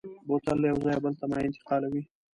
بوتل له یو ځایه بل ته مایع انتقالوي.